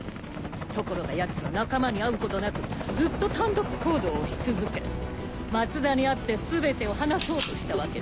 ところがヤツは仲間に会うことなくずっと単独行動をし続け松田に会って全てを話そうとしたわけだ。